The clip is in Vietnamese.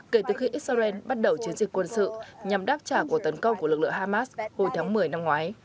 kể từ khi israel bắt đầu chiến dịch quân sự nhằm đáp trả cuộc tấn công của lực lượng hamas hồi tháng một mươi năm ngoái